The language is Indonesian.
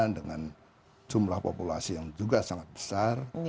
dengan jumlah populasi yang juga sangat besar